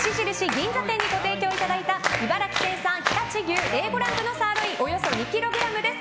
銀座店にご提供いただいた茨城県産、常陸牛Ａ５ランクのサーロインおよそ２ｋｇです。